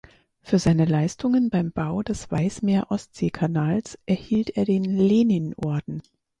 Für seine Leistungen beim Bau des Weißmeer-Ostsee-Kanals erhielt er den Leninorden.